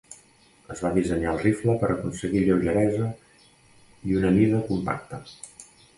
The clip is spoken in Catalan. Es va dissenyar el rifle per aconseguir lleugeresa i una mida compacta.